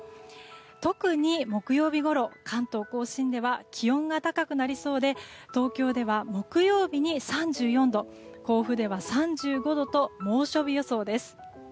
特に、木曜日ごろ関東・甲信では気温が高くなりそうで東京では木曜日に３４度甲府では３５度と猛暑日予想です。